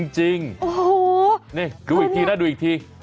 จริงโอ้โหนี่ดูอีกทีนะดูอีกที